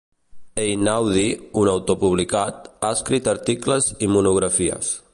Einaudi, un autor publicat, ha escrit articles i monografies.